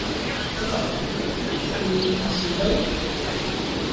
Ah ! et il se nomme ?...